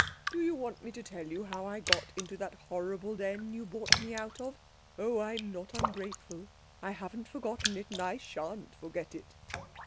Do you want me to tell you how I got into that horrible den you bought me out of? Oh, I'm not ungrateful! I haven't forgotten it and I shan't forget it."